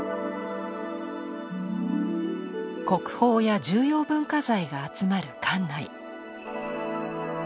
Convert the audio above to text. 国宝や重要文化財が集まる館内。